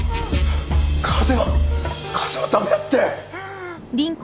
風は風は駄目だって！